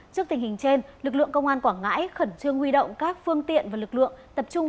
trước tình hình trên lực lượng công an quảng ngãi khẩn trương huy động các phương tiện và lực lượng tập trung